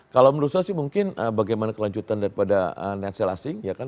kalau menurut saya sih mungkin bagaimana kelanjutan daripada nencel asing ya kan